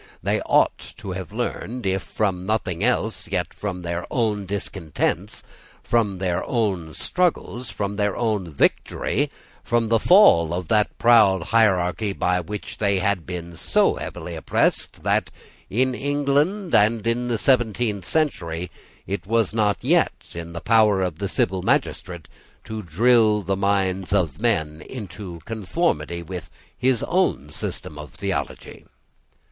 They ought to have learned, if from nothing else, yet from their own discontents, from their own struggles, from their own victory, from the fall of that proud hierarchy by which they had been so heavily oppressed, that, in England, and in the seventeenth century, it was not in the power of the civil magistrate to drill the minds of men into conformity with his own system of theology.